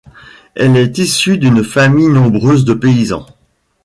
Elle est issue d'une famille nombreuse de paysans.